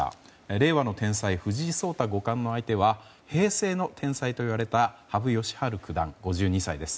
令和の天才・藤井聡太五冠の相手は平成の天才といわれた羽生善治九段、５２歳です。